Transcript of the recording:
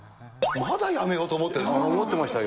まだやめようと思ってるんで思ってましたよ。